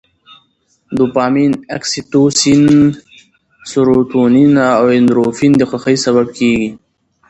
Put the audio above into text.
دوپامین، اکسي توسین، سروتونین او اندورفین د خوښۍ سبب کېږي.